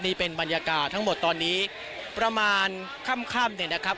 นี่เป็นบรรยากาศทั้งหมดตอนนี้ประมาณค่ำเนี่ยนะครับ